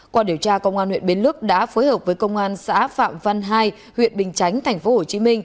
qua điều tra công an huyện bến lức đã phối hợp với công an xã phạm văn hai huyện bình chánh tp hcm